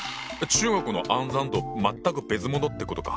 中国の「暗算」と全く別物ってことか。